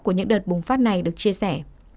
của những đợt bùng phát này được chia sẻ